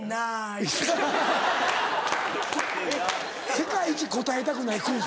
世界一答えたくないクイズ。